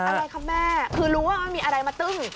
อะไรคะแม่คือรู้ว่ามันมีอะไรมาตึ้ง